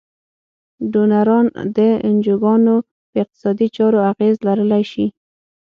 ډونران د انجوګانو په اقتصادي چارو اغیز لرلای شي.